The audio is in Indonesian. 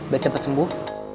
nanti cepet sembuh